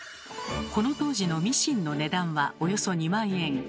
この当時のミシンの値段はおよそ２万円。